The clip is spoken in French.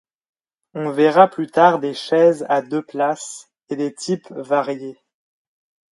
On verra plus tard des chaises à deux places, et des types variés.